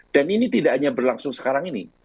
dan ini tidak hanya berlangsung sekarang ini